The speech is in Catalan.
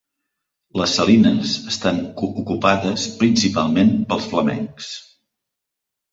Les salines estan ocupades principalment pels flamencs.